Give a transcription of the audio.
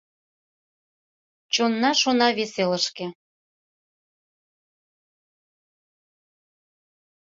Чонна шона вес элышке.